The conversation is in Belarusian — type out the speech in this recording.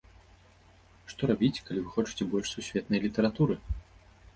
Што рабіць, калі вы хочаце больш сусветнай літаратуры?